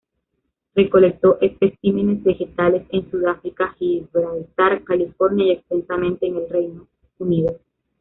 Recolectó especímenes vegetales en Sudáfrica, Gibraltar, California, y extensamente en el Reino Unido.